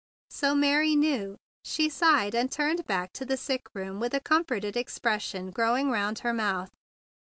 So Mary knew! She sighed, and turned back to the sick room with a comforted expression growing round her mouth.